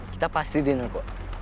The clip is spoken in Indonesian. kita pasti diner kok